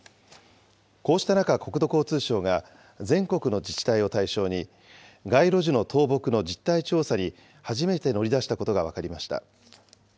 こうした中、国土交通省が全国の自治体を対象に、街路樹の倒木の実態調査に初めて乗り出したことが分かりました。